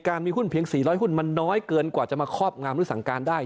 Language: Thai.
มีหุ้นเพียง๔๐๐หุ้นมันน้อยเกินกว่าจะมาครอบงามหรือสั่งการได้